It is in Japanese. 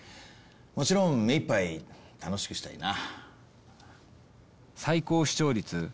もちろん目いっぱい楽しくしたいな。